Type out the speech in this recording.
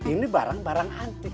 ini barang barang antik